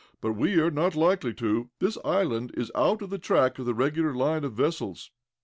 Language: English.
"But we are not likely to. This island is out of the track of the regular line of vessels."